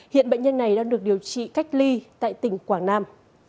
hiện bệnh nhân này đang được điều trị cách ly tại tỉnh quảng nam